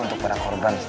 untuk para korban ustadz